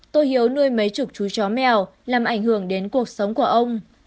tôi hiếu nuôi mấy chục chú chó mèo làm ảnh hưởng đến cuộc sống của ông